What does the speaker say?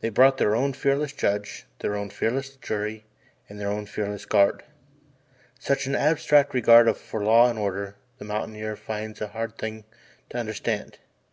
They brought their own fearless judge, their own fearless jury and their own fearless guard. Such an abstract regard for law and order the mountaineer finds a hard thing to understand.